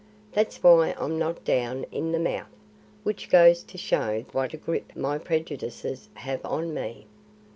That's why I'm not down in the mouth. Which goes to show what a grip my prejudices have on me."